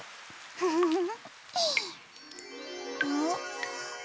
ウフフフ。